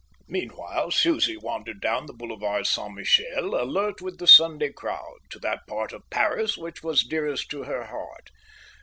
Meanwhile Susie wandered down the Boulevard Saint Michel, alert with the Sunday crowd, to that part of Paris which was dearest to her heart.